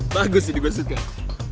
bagus ini gue sumpah